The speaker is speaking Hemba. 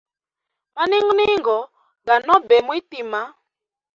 Maningo ningo ga nobe mwitima.